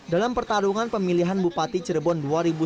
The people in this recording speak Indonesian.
dalam pertarungan pemilihan bupati cirebon dua ribu sembilan belas